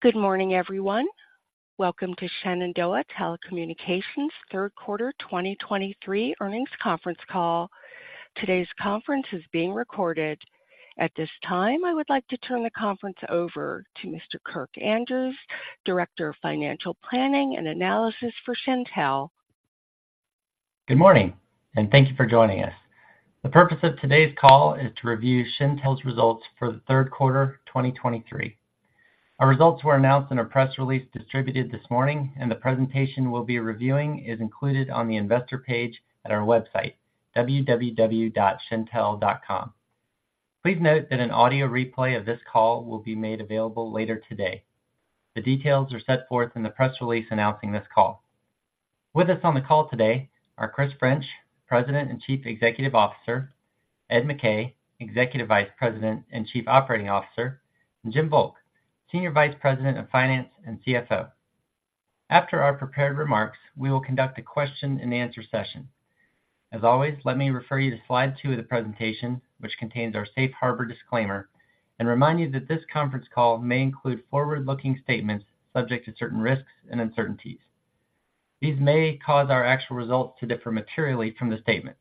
Good morning, everyone. Welcome to Shenandoah Telecommunications third quarter 2023 earnings conference call. Today's conference is being recorded. At this time, I would like to turn the conference over to Mr. Kirk Andrews, Director of Financial Planning and Analysis for Shentel. Good morning, and thank you for joining us. The purpose of today's call is to review Shentel's results for the third quarter, 2023. Our results were announced in a press release distributed this morning, and the presentation we'll be reviewing is included on the investor page at our website, www.shentel.com. Please note that an audio replay of this call will be made available later today. The details are set forth in the press release announcing this call. With us on the call today are Chris French, President and Chief Executive Officer, Ed McKay, Executive Vice President and Chief Operating Officer, and Jim Volk, Senior Vice President of Finance and CFO. After our prepared remarks, we will conduct a question-and-answer session. As always, let me refer you to slide two of the presentation, which contains our safe harbor disclaimer, and remind you that this conference call may include forward-looking statements subject to certain risks and uncertainties. These may cause our actual results to differ materially from the statements.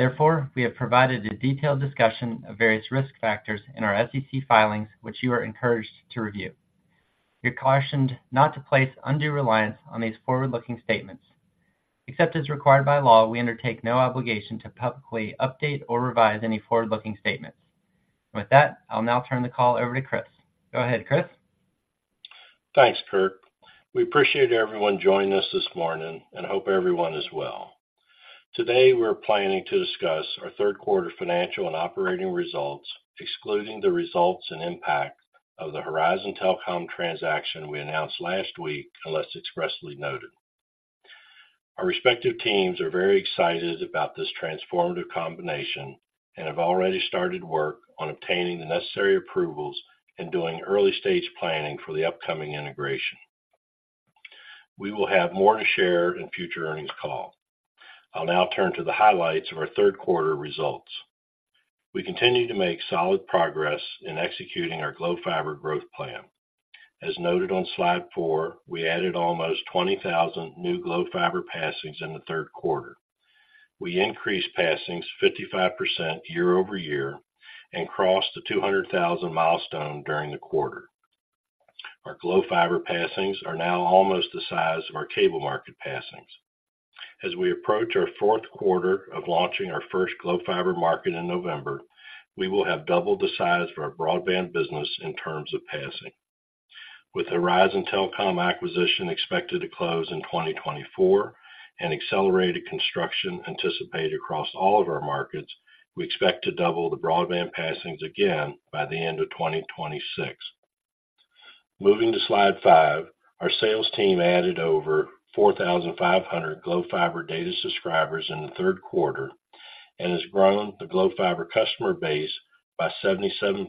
Therefore, we have provided a detailed discussion of various risk factors in our SEC filings, which you are encouraged to review. You're cautioned not to place undue reliance on these forward-looking statements. Except as required by law, we undertake no obligation to publicly update or revise any forward-looking statements. With that, I'll now turn the call over to Chris. Go ahead, Chris. Thanks, Kirk. We appreciate everyone joining us this morning and hope everyone is well. Today, we're planning to discuss our third quarter financial and operating results, excluding the results and impact of the Horizon Telcom transaction we announced last week, unless expressly noted. Our respective teams are very excited about this transformative combination and have already started work on obtaining the necessary approvals and doing early stage planning for the upcoming integration. We will have more to share in future earnings call. I'll now turn to the highlights of our third quarter results. We continue to make solid progress in executing our Glo Fiber growth plan. As noted on slide four, we added almost 20,000 new Glo Fiber passings in the third quarter. We increased passings 55% year-over-year and crossed the 200,000 milestone during the quarter. Our Glo Fiber passings are now almost the size of our cable market passings. As we approach our fourth quarter of launching our first Glo Fiber market in November, we will have doubled the size of our broadband business in terms of passing. With the Horizon Telcom acquisition expected to close in 2024 and accelerated construction anticipated across all of our markets, we expect to double the broadband passings again by the end of 2026. Moving to slide five, our sales team added over 4,500 Glo Fiber data subscribers in the third quarter and has grown the Glo Fiber customer base by 77%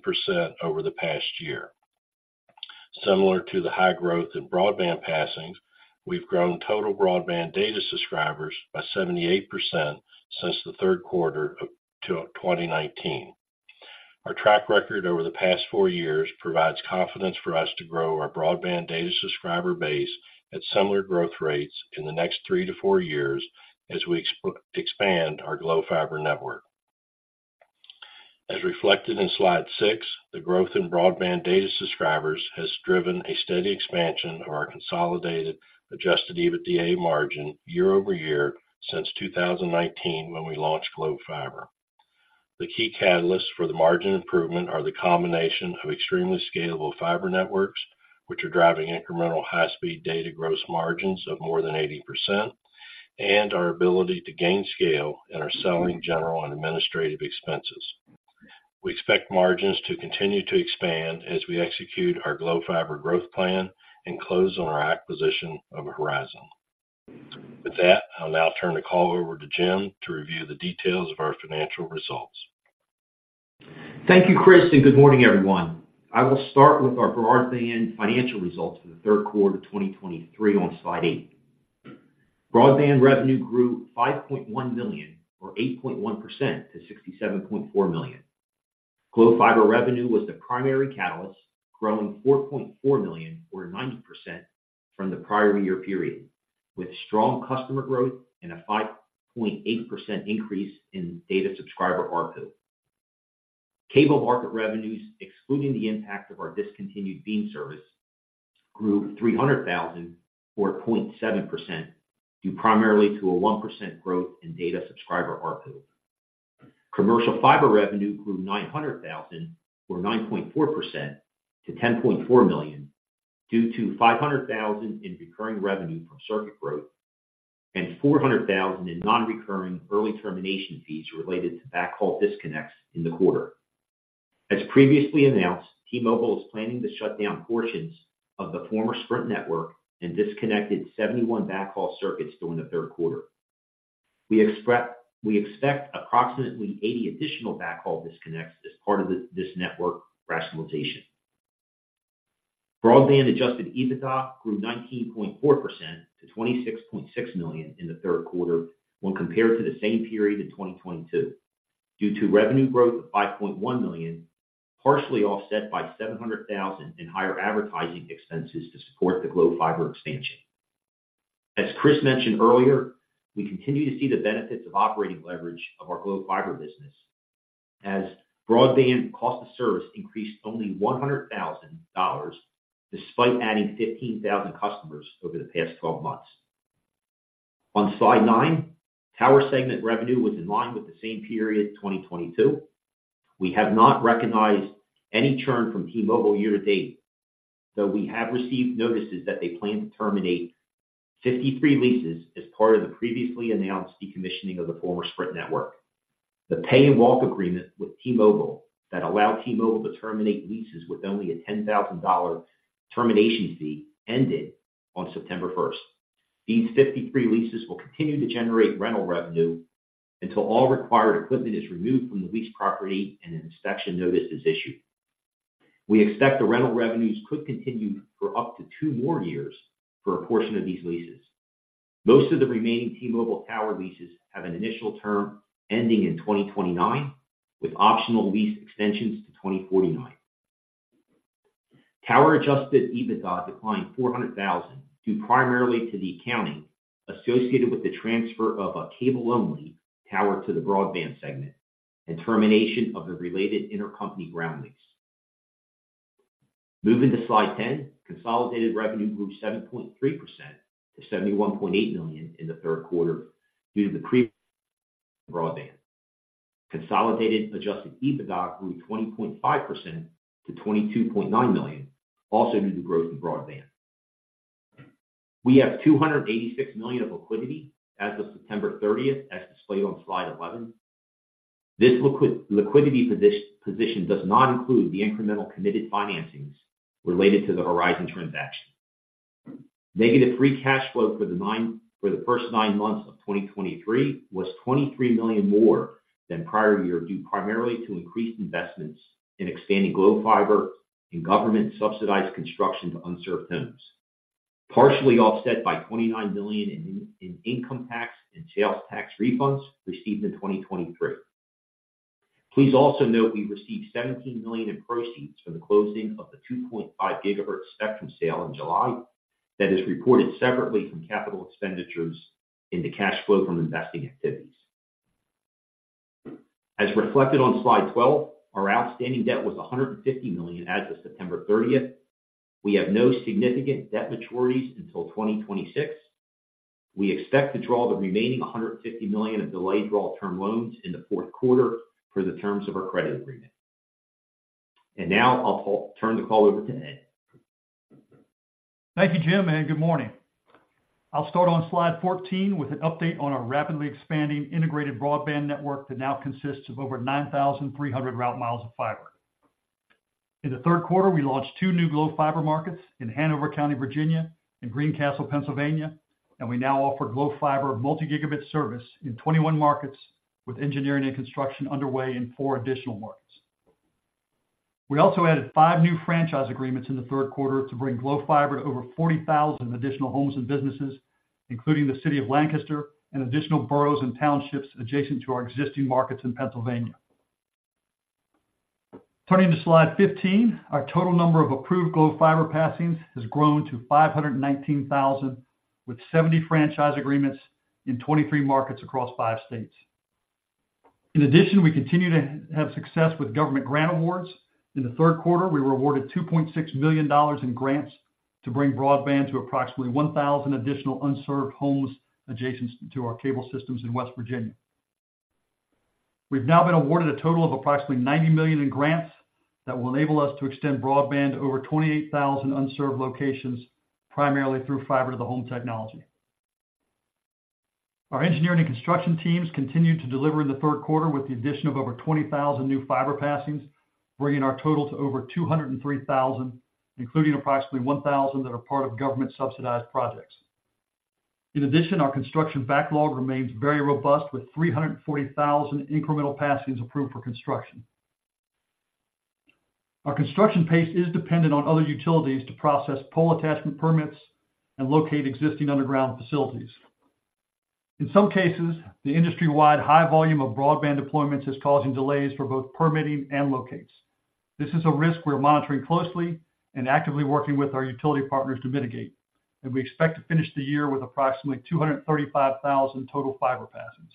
over the past year. Similar to the high growth in broadband passings, we've grown total broadband data subscribers by 78% since the third quarter of 2019. Our track record over the past 4 years provides confidence for us to grow our broadband data subscriber base at similar growth rates in the next 3-4 years as we expand our Glo Fiber network. As reflected in slide six, the growth in broadband data subscribers has driven a steady expansion of our consolidated Adjusted EBITDA margin year-over-year since 2019, when we launched Glo Fiber. The key catalysts for the margin improvement are the combination of extremely scalable fiber networks, which are driving incremental high-speed data gross margins of more than 80%, and our ability to gain scale in our selling general and administrative expenses. We expect margins to continue to expand as we execute our Glo Fiber growth plan and close on our acquisition of Horizon. With that, I'll now turn the call over to Jim to review the details of our financial results. Thank you, Chris, and good morning, everyone. I will start with our broadband financial results for the third quarter of 2023 on slide eight. Broadband revenue grew $5.1 million, or 8.1% to $67.4 million. Glo Fiber revenue was the primary catalyst, growing $4.4 million, or 90% from the prior year period, with strong customer growth and a 5.8% increase in data subscriber ARPU. Cable market revenues, excluding the impact of our discontinued Beam service, grew $300,000 or 0.7%, due primarily to a 1% growth in data subscriber ARPU. Commercial fiber revenue grew $900,000 or 9.4% to $10.4 million, due to $500,000 in recurring revenue from circuit growth and $400,000 in non-recurring early termination fees related to backhaul disconnects in the quarter. As previously announced, T-Mobile is planning to shut down portions of the former Sprint network and disconnected 71 backhaul circuits during the third quarter. We expect approximately 80 additional backhaul disconnects as part of this network rationalization. Broadband Adjusted EBITDA grew 19.4% to $26.6 million in the third quarter when compared to the same period in 2022 due to revenue growth of $5.1 million, partially offset by $700,000 in higher advertising expenses to support the Glo Fiber expansion. As Chris mentioned earlier, we continue to see the benefits of operating leverage of our Glo Fiber business, as broadband cost of service increased only $100,000, despite adding 15,000 customers over the past 12 months. On slide 9, tower segment revenue was in line with the same period, 2022. We have not recognized any churn from T-Mobile year to date, though we have received notices that they plan to terminate 53 leases as part of the previously announced decommissioning of the former Sprint network. The pay and walk agreement with T-Mobile, that allow T-Mobile to terminate leases with only a $10,000 termination fee, ended on September first. These 53 leases will continue to generate rental revenue until all required equipment is removed from the leased property and an inspection notice is issued. We expect the rental revenues could continue for up to 2 more years for a portion of these leases. Most of the remaining T-Mobile tower leases have an initial term ending in 2029, with optional lease extensions to 2049. Tower Adjusted EBITDA declined $400,000, due primarily to the accounting associated with the transfer of a cable-only tower to the broadband segment and termination of the related intercompany ground lease. Moving to slide 10. Consolidated revenue grew 7.3% to $71.8 million in the third quarter due to the growth in broadband. Consolidated Adjusted EBITDA grew 20.5% to $22.9 million, also due to growth in broadband. We have $286 million of liquidity as of September 30, as displayed on slide 11. This liquidity position does not include the incremental committed financings related to the Horizon transaction. Negative free cash flow for the first nine months of 2023 was $23 million more than prior year, due primarily to increased investments in expanding Glo Fiber and government-subsidized construction to unserved homes, partially offset by $29 million in income tax and sales tax refunds received in 2023. Please also note, we received $17 million in proceeds from the closing of the 2.5 GHz spectrum sale in July. That is reported separately from capital expenditures in the cash flow from investing activities. As reflected on slide 12, our outstanding debt was $150 million as of September 30th. We have no significant debt maturities until 2026. We expect to draw the remaining $150 million of delayed draw term loans in the fourth quarter for the terms of our credit agreement. Now I'll turn the call over to Ed. Thank you, Jim, and good morning. I'll start on slide 14 with an update on our rapidly expanding integrated broadband network that now consists of over 9,300 route miles of fiber. In the third quarter, we launched 2 new Glo Fiber markets in Hanover County, Virginia, and Greencastle, Pennsylvania, and we now offer Glo Fiber multi-gigabit service in 21 markets, with engineering and construction underway in 4 additional markets. We also added 5 new franchise agreements in the third quarter to bring Glo Fiber to over 40,000 additional homes and businesses, including the city of Lancaster and additional boroughs and townships adjacent to our existing markets in Pennsylvania. Turning to slide 15, our total number of approved Glo Fiber passings has grown to 519,000, with 70 franchise agreements in 23 markets across 5 states. In addition, we continue to have success with government grant awards. In the third quarter, we were awarded $2.6 million in grants to bring broadband to approximately 1,000 additional unserved homes adjacent to our cable systems in West Virginia. We've now been awarded a total of approximately $90 million in grants that will enable us to extend broadband to over 28,000 unserved locations, primarily through fiber to the home technology. Our engineering and construction teams continued to deliver in the third quarter, with the addition of over 20,000 new fiber passings, bringing our total to over 203,000, including approximately 1,000 that are part of government-subsidized projects. In addition, our construction backlog remains very robust, with 340,000 incremental passings approved for construction. Our construction pace is dependent on other utilities to process pole attachment permits and locate existing underground facilities. In some cases, the industry-wide high volume of broadband deployments is causing delays for both permitting and locates. This is a risk we're monitoring closely and actively working with our utility partners to mitigate, and we expect to finish the year with approximately 235,000 total fiber passings.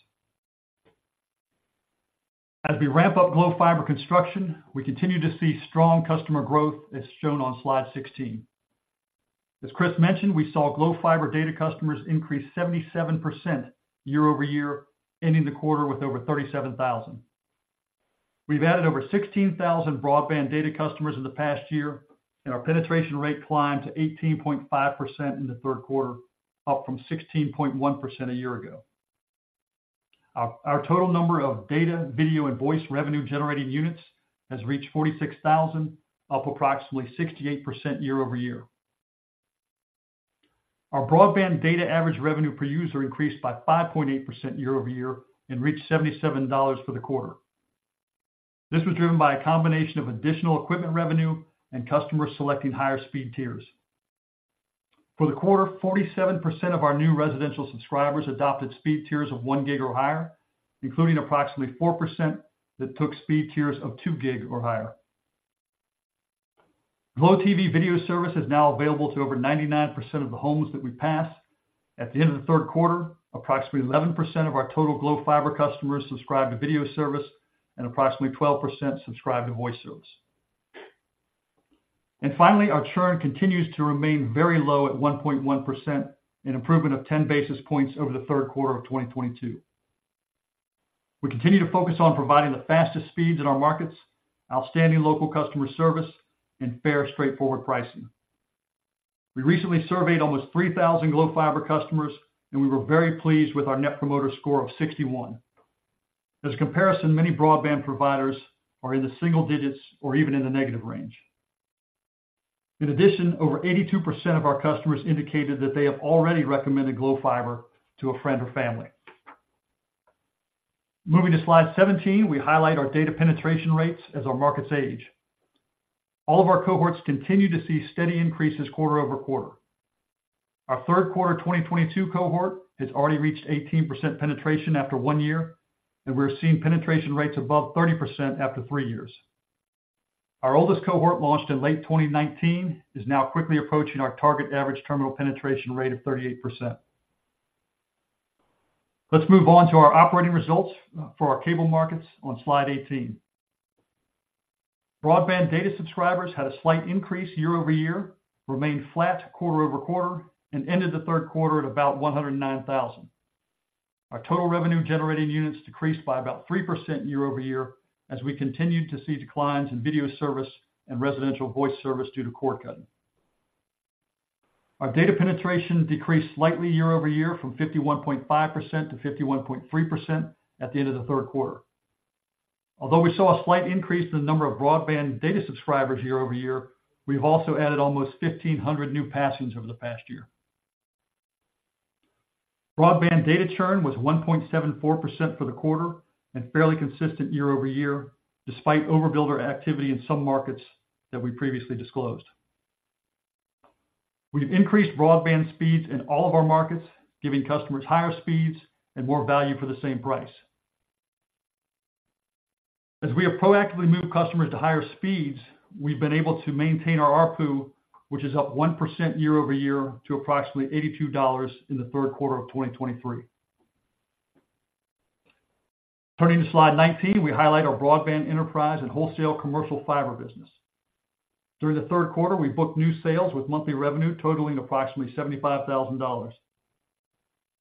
As we ramp up Glo Fiber construction, we continue to see strong customer growth, as shown on slide 16. As Chris mentioned, we saw Glo Fiber data customers increase 77% year-over-year, ending the quarter with over 37,000. We've added over 16,000 broadband data customers in the past year, and our penetration rate climbed to 18.5% in the third quarter, up from 16.1% a year ago. Our total number of data, video, and voice revenue-generating units has reached 46,000, up approximately 68% year-over-year. Our broadband data average revenue per user increased by 5.8% year-over-year and reached $77 for the quarter. This was driven by a combination of additional equipment revenue and customers selecting higher speed tiers. For the quarter, 47% of our new residential subscribers adopted speed tiers of 1 gig or higher, including approximately 4% that took speed tiers of 2 gig or higher. Glo TV video service is now available to over 99% of the homes that we pass. At the end of the third quarter, approximately 11% of our total Glo Fiber customers subscribe to video service, and approximately 12% subscribe to voice service. Finally, our churn continues to remain very low at 1.1%, an improvement of 10 basis points over the third quarter of 2022. We continue to focus on providing the fastest speeds in our markets, outstanding local customer service, and fair, straightforward pricing. We recently surveyed almost 3,000 Glo Fiber customers, and we were very pleased with our Net Promoter Score of 61. As a comparison, many broadband providers are in the single digits or even in the negative range. In addition, over 82% of our customers indicated that they have already recommended Glo Fiber to a friend or family. Moving to slide 17, we highlight our data penetration rates as our markets age. All of our cohorts continue to see steady increases quarter-over-quarter. Our third quarter 2022 cohort has already reached 18% penetration after one year, and we're seeing penetration rates above 30% after three years. Our oldest cohort, launched in late 2019, is now quickly approaching our target average terminal penetration rate of 38%. Let's move on to our operating results for our cable markets on slide 18. Broadband data subscribers had a slight increase year-over-year, remained flat quarter-over-quarter, and ended the third quarter at about 109,000. Our total revenue generating units decreased by about 3% year-over-year, as we continued to see declines in video service and residential voice service due to cord cutting. Our data penetration decreased slightly year-over-year, from 51.5% to 51.3% at the end of the third quarter. Although we saw a slight increase in the number of broadband data subscribers year-over-year, we've also added almost 1,500 new passings over the past year. Broadband data churn was 1.74% for the quarter and fairly consistent year-over-year, despite overbuilder activity in some markets that we previously disclosed. We've increased broadband speeds in all of our markets, giving customers higher speeds and more value for the same price. As we have proactively moved customers to higher speeds, we've been able to maintain our ARPU, which is up 1% year-over-year to approximately $82 in the third quarter of 2023. Turning to slide 19, we highlight our broadband enterprise and wholesale commercial fiber business. During the third quarter, we booked new sales with monthly revenue totaling approximately $75,000.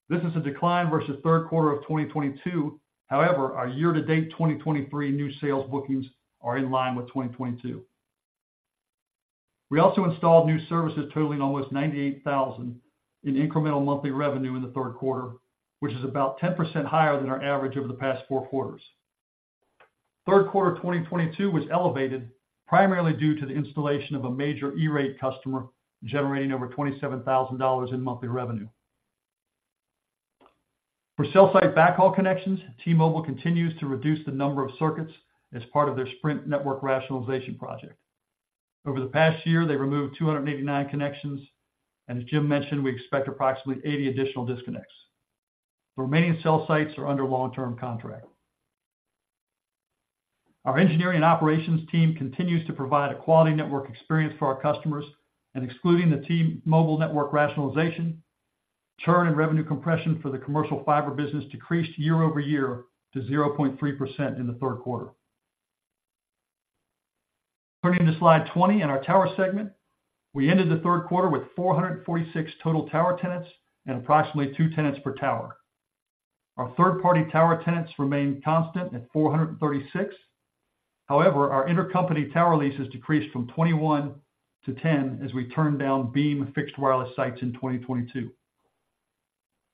This is a decline versus third quarter of 2022. However, our year-to-date 2023 new sales bookings are in line with 2022. We also installed new services totaling almost $98,000 in incremental monthly revenue in the third quarter, which is about 10% higher than our average over the past four quarters. Third quarter 2022 was elevated primarily due to the installation of a major E-Rate customer, generating over $27,000 in monthly revenue. For cell site backhaul connections, T-Mobile continues to reduce the number of circuits as part of their Sprint network rationalization project. Over the past year, they removed 289 connections, and as Jim mentioned, we expect approximately 80 additional disconnects. The remaining cell sites are under long-term contract. Our engineering and operations team continues to provide a quality network experience for our customers, and excluding the T-Mobile network rationalization, churn and revenue compression for the commercial fiber business decreased year-over-year to 0.3% in the third quarter. Turning to slide 20 in our tower segment, we ended the third quarter with 446 total tower tenants and approximately 2 tenants per tower. Our third-party tower tenants remained constant at 436. However, our intercompany tower leases decreased from 21 to 10 as we turned down Beam fixed wireless sites in 2022.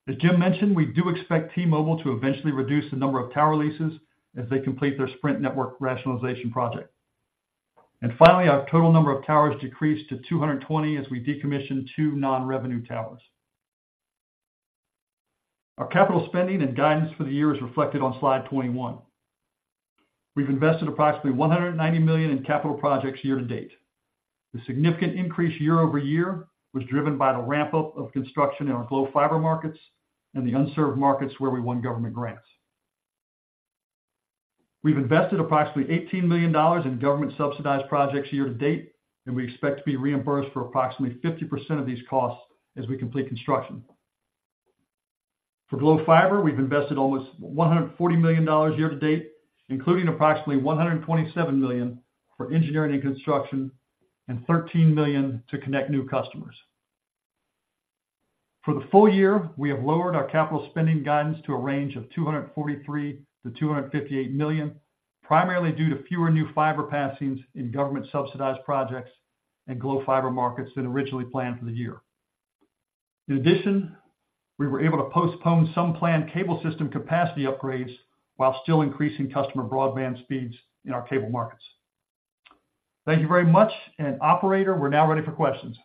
As Jim mentioned, we do expect T-Mobile to eventually reduce the number of tower leases as they complete their Sprint network rationalization project. Finally, our total number of towers decreased to 220 as we decommissioned 2 non-revenue towers. Our capital spending and guidance for the year is reflected on slide 21. We've invested approximately $190 million in capital projects year to date. The significant increase year-over-year was driven by the ramp-up of construction in our Glo Fiber markets and the unserved markets where we won government grants. We've invested approximately $18 million in government-subsidized projects year to date, and we expect to be reimbursed for approximately 50% of these costs as we complete construction. For Glo Fiber, we've invested almost $140 million year to date, including approximately $127 million for engineering and construction, and $13 million to connect new customers. For the full year, we have lowered our capital spending guidance to a range of $243 million-$258 million, primarily due to fewer new fiber passings in government-subsidized projects and Glo Fiber markets than originally planned for the year. In addition, we were able to postpone some planned cable system capacity upgrades while still increasing customer broadband speeds in our cable markets. Thank you very much. Operator, we're now ready for questions.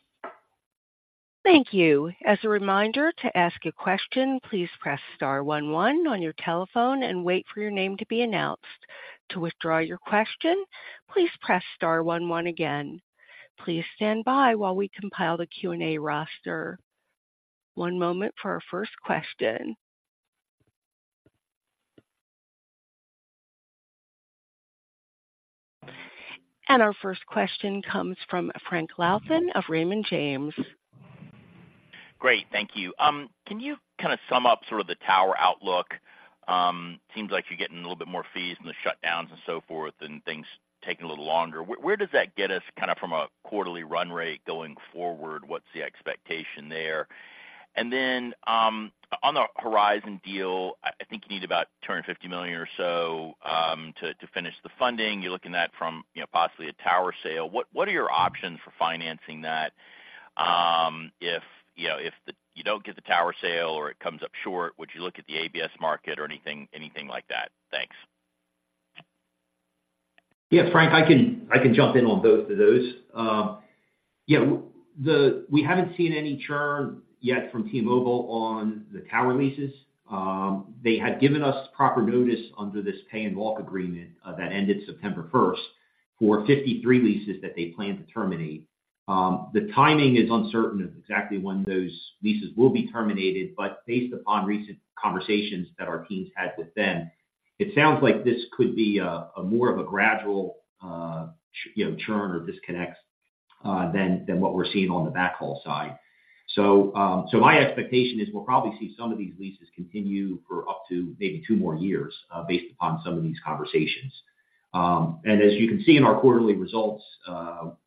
Thank you. As a reminder to ask a question, please press star one one on your telephone and wait for your name to be announced. To withdraw your question, please press star one one again. Please stand by while we compile the Q&A roster. One moment for our first question. Our first question comes from Frank Louthan of Raymond James. Great. Thank you. Can you kind of sum up sort of the tower outlook? Seems like you're getting a little bit more fees from the shutdowns and so forth, and things taking a little longer. Where does that get us kind of from a quarterly run rate going forward? What's the expectation there? And then, on the Horizon deal, I think you need about $250 million or so to finish the funding. You're looking at that from, you know, possibly a tower sale. What are your options for financing that, if, you know, if you don't get the tower sale or it comes up short, would you look at the ABS market or anything like that? Thanks. Yeah, Frank, I can, I can jump in on both of those. Yeah, we haven't seen any churn yet from T-Mobile on the tower leases. They had given us proper notice under this pay and walk agreement, that ended September first, for 53 leases that they plan to terminate. The timing is uncertain of exactly when those leases will be terminated, but based upon recent conversations that our teams had with them, it sounds like this could be a more of a gradual, you know, churn or disconnects, than what we're seeing on the backhaul side. So, my expectation is we'll probably see some of these leases continue for up to maybe two more years, based upon some of these conversations. As you can see in our quarterly results,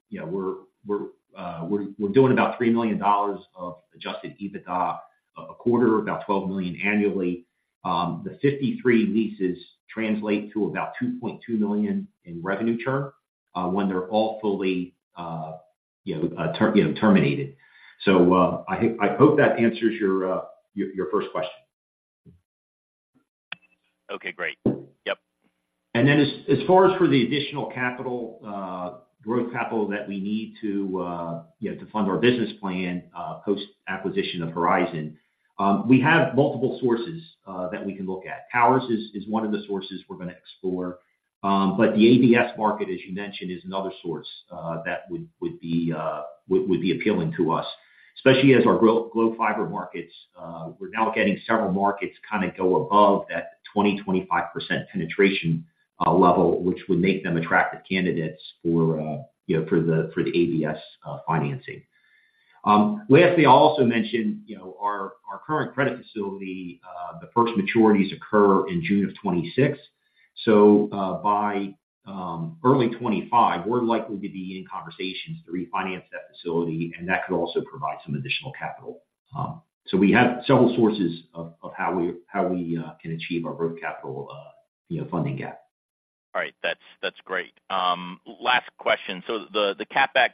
you know, we're doing about $3 million of Adjusted EBITDA a quarter, about $12 million annually. The 53 leases translate to about $2.2 million in revenue churn, when they're all fully, you know, terminated. I hope that answers your first question. Okay, great. Yep. As far as for the additional capital, growth capital that we need to, you know, to fund our business plan, post-acquisition of Horizon, we have multiple sources that we can look at. Towers is one of the sources we're gonna explore, but the ABS market, as you mentioned, is another source that would be appealing to us. Especially as our Glo Fiber markets, we're now getting several markets kind of go above that 20-25% penetration level, which would make them attractive candidates for, you know, for the ABS financing. Lastly, I'll also mention, you know, our current credit facility, the first maturities occur in June of 2026. By early 2025, we're likely to be in conversations to refinance that facility, and that could also provide some additional capital. We have several sources of how we can achieve our growth capital, you know, funding gap. All right. That's, that's great. Last question. So the, the CapEx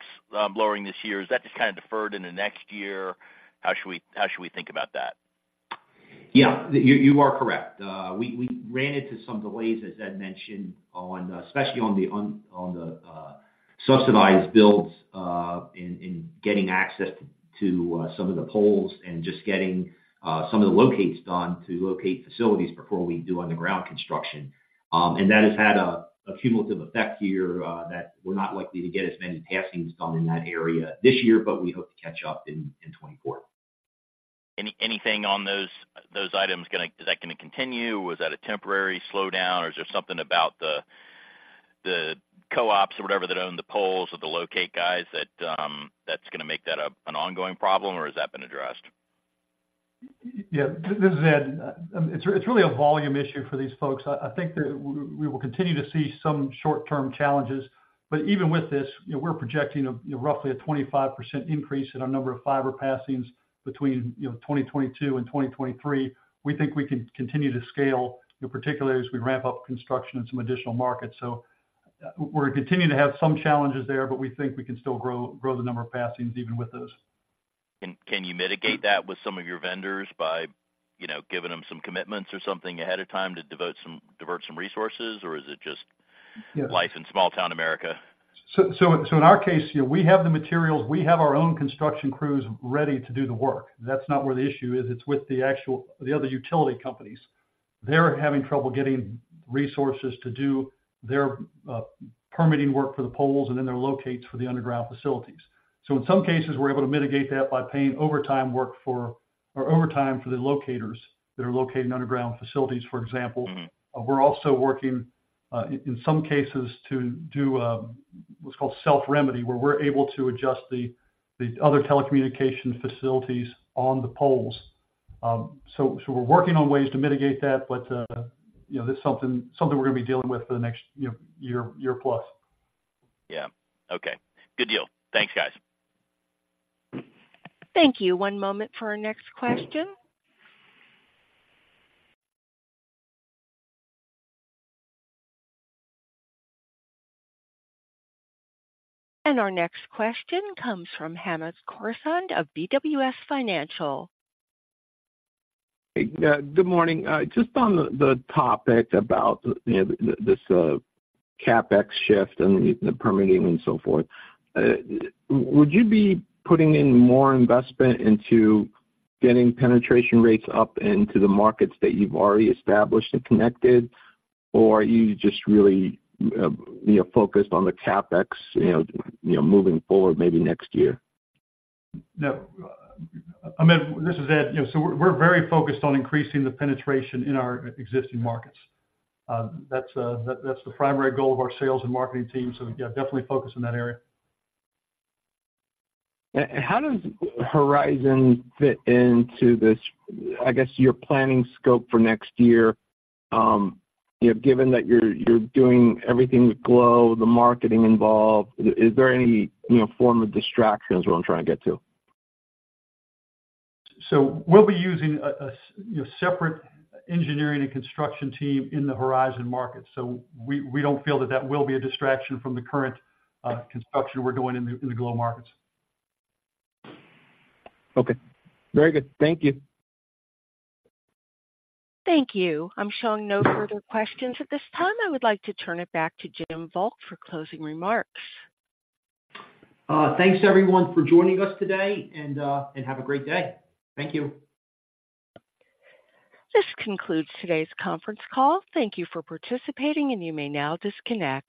lowering this year, is that just kind of deferred into next year? How should we, how should we think about that? Yeah, you are correct. We ran into some delays, as Ed mentioned, especially on the subsidized builds in getting access to some of the poles and just getting some of the locates done to locate facilities before we do on-the-ground construction. And that has had a cumulative effect here that we're not likely to get as many passings done in that area this year, but we hope to catch up in 2024. Anything on those items gonna, is that gonna continue? Was that a temporary slowdown, or is there something about the co-ops or whatever that own the poles or the locate guys that that's gonna make that an ongoing problem, or has that been addressed? Yeah, this is Ed. It's really a volume issue for these folks. I think that we will continue to see some short-term challenges, but even with this, you know, we're projecting roughly a 25% increase in our number of fiber passings between 2022 and 2023. We think we can continue to scale, you know, particularly as we ramp up construction in some additional markets. So we're continuing to have some challenges there, but we think we can still grow the number of passings even with those. Can you mitigate that with some of your vendors by, you know, giving them some commitments or something ahead of time to divert some resources, or is it just? Yeah Life in small town America? So in our case, you know, we have the materials, we have our own construction crews ready to do the work. That's not where the issue is, it's with the actual, the other utility companies. They're having trouble getting resources to do their permitting work for the poles and then their locates for the underground facilities. So in some cases, we're able to mitigate that by paying overtime work for, or overtime for the locators that are locating underground facilities, for example. We're also working in some cases to do what's called self-remedy, where we're able to adjust the other telecommunications facilities on the poles. So we're working on ways to mitigate that, but you know, this is something we're gonna be dealing with for the next year plus. Yeah. Okay. Good deal. Thanks, guys. Thank you. One moment for our next question. Our next question comes from Hamed Khorsand of BWS Financial. Hey, good morning. Just on the topic about, you know, this CapEx shift and the permitting and so forth. Would you be putting in more investment into getting penetration rates up into the markets that you've already established and connected, or are you just really, you know, focused on the CapEx, you know, you know, moving forward maybe next year? No, Hamed, this is Ed. You know, so we're, we're very focused on increasing the penetration in our existing markets. That's, that, that's the primary goal of our sales and marketing team. So, yeah, definitely focused in that area. And how does Horizon fit into this, I guess, your planning scope for next year? You know, given that you're doing everything with Glo, the marketing involved, is there any, you know, form of distraction, is what I'm trying to get to? So we'll be using a you know separate engineering and construction team in the Horizon market. So we don't feel that will be a distraction from the current construction we're doing in the Glo markets. Okay. Very good. Thank you. Thank you. I'm showing no further questions at this time. I would like to turn it back to Jim Volk for closing remarks. Thanks, everyone, for joining us today, and and have a great day. Thank you. This concludes today's conference call. Thank you for participating, and you may now disconnect.